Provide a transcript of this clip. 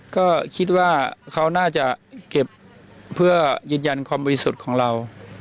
ก็คิดว่าเขาน่าจะเก็บเพื่อยืนยันความบริสุทธิ์ของเรา